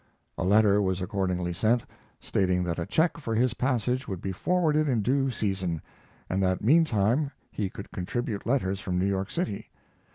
A letter was accordingly sent, stating that a check for his passage would be forwarded in due season, and that meantime he could contribute letters from New York City.